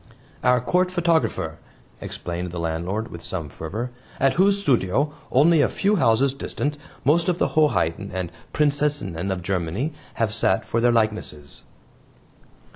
"Our Court photographer," explained the landlord with some fervor, "at whose studio, only a few houses distant, most of the Hoheiten and Prinzessinen of Germany have sat for their likenesses."